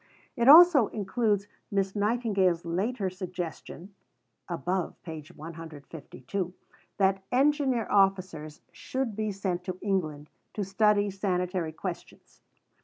It also includes Miss Nightingale's later suggestion (above, p. 152) that Engineer Officers should be sent to England to study sanitary questions.